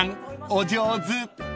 お上手］